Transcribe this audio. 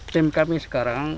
tim kami sekarang